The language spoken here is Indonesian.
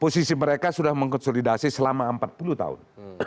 posisi mereka sudah mengkonsolidasi selama empat puluh tahun